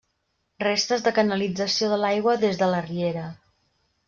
Restes de canalització de l'aigua des de la riera.